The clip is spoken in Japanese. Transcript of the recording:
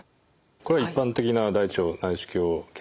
これは一般的な大腸内視鏡検査ですね。